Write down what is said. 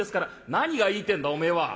「何が言いてえんだお前は」。